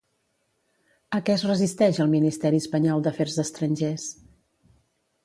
A què es resisteix el ministeri espanyol d'Afers Estrangers?